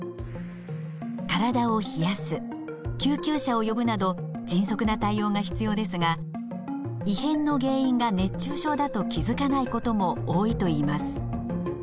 体を冷やす救急車を呼ぶなど迅速な対応が必要ですが異変の原因が熱中症だと気づかないことも多いといいます。